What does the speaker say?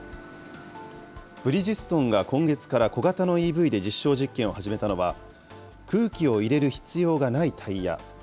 ブリヂストンが今月から小型のＥＶで実証実験を始めたのは、空気を入れる必要がないタイヤ。